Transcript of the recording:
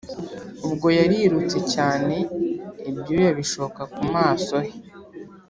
ubwo yarirutse cyane ibyuya bishoka kumaso he